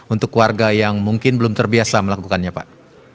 untuk warga yang mungkin belum terbiasa melakukannya pak